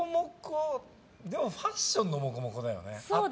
でもファッションのもこもこだよね。